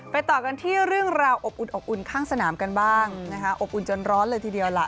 ต่อกันที่เรื่องราวอบอุ่นอบอุ่นข้างสนามกันบ้างนะคะอบอุ่นจนร้อนเลยทีเดียวล่ะ